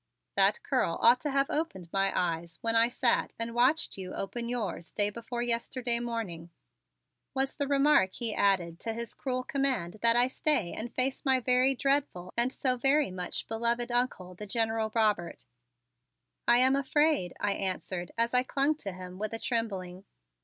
"That curl ought to have opened my eyes when I sat and watched you open yours day before yesterday morning," was the remark he added to his cruel command that I stay and face my very dreadful and so very much beloved Uncle, the General Robert. "I am afraid," I answered as I clung to him with a trembling.